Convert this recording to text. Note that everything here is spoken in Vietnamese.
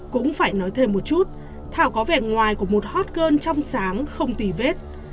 cũng phải nói thêm một chút thảo có vẻ ngoài của một hot girl trong sáng không tì vết